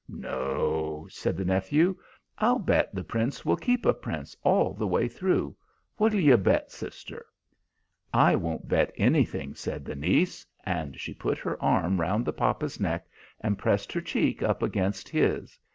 "No," said the nephew. "I'll bet the Prince will keep a Prince all the way through. What'll you bet, sister?" "I won't bet anything," said the niece, and she put her arm round the papa's neck, and pressed her cheek up against his.